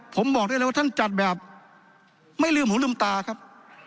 ผมบอกได้เลยว่าท่านจัดแบบไม่ลืมหูลืมตาครับ